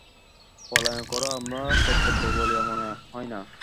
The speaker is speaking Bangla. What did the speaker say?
পলায়ন করাও আমার কর্তব্য বলিয়া মনে হয় না।